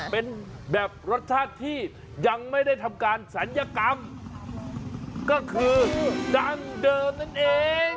เป็นแบบรสชาติที่ยังไม่ได้ทำการศัลยกรรมก็คือดั้งเดิมนั่นเอง